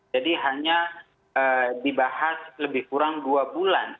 jadi hanya dibahas lebih kurang dua bulan